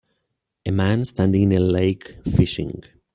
A man standing in a lake fishing.